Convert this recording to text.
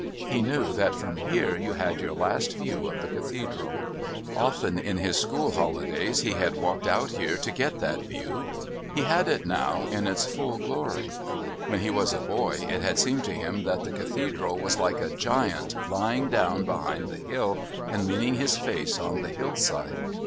He knew that from here you had your last view of the Cathedral. Often in his school holidays he had walked out here to get that view. He had it now in its full glory. When he was a boy it had seemed to him that the Cathedral was like a giant lying down behind the hill and leaning his face on the hill side.